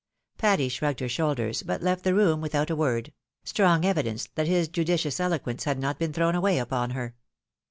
Patty shrugged her shoulders, but left the room without a word ; strong evidence that his judicious eloquence had not been tlu'own away upon her.